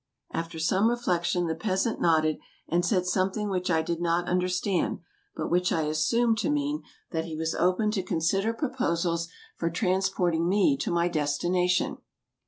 " After some reflection the peasant nodded and said some thing which I did not understand, but which I assumed to 204 EUROPE 205 mean that he was open to consider proposals for transport ing me to my destination.